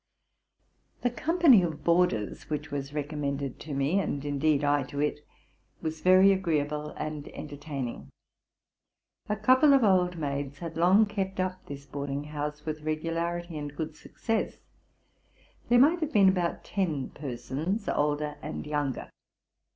The company of boarders which was recommended to me, and, indeed, I to it, was very agreeable and entertaining. A cou ple of old maids had long kept up this boarding house with regularity and good success : there might have been about ten persons, older and younger.